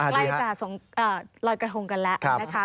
ใกล้จะลอยกระทงกันแล้วนะคะ